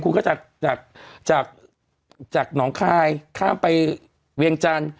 คุณก็จะจากจากหนองคายข้ามไปเวียงจันทร์